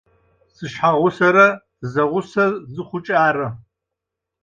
Сышъхьэусэрэ зэгъусэ зыхъукӏэ ары.